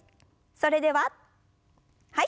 それでははい。